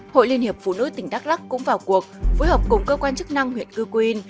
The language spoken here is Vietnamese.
hội liên hiệp phụ nữ tỉnh đắk lắc cũng vào cuộc phối hợp cùng cơ quan chức năng huyện cư quyên